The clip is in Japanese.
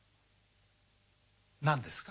何ですか？